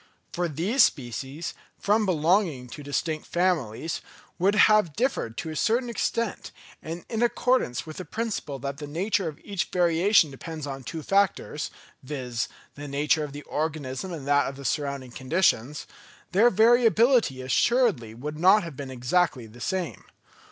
For these species, from belonging to distinct families, would have differed to a certain extent, and in accordance with the principle that the nature of each variation depends on two factors, viz., the nature of the organism and that of the surrounding conditions, their variability assuredly would not have been exactly the same.